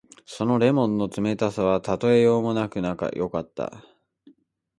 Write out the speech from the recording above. その檸檬の冷たさはたとえようもなくよかった。